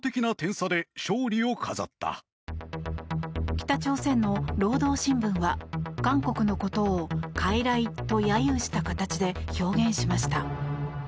北朝鮮の労働新聞は韓国のことをかいらいと揶揄した形で表現しました。